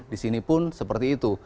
disini pun seperti itu